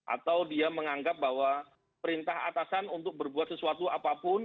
atau dia menganggap bahwa perintah atasan untuk berbuat sesuatu apapun